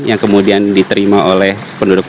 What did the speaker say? yang kemudian diterima oleh penduduk